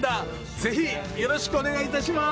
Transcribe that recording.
ぜひよろしくお願いいたします！